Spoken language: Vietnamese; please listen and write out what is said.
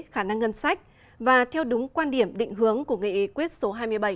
khả năng ngân sách và theo đúng quan điểm định hướng của nghị quyết số hai mươi bảy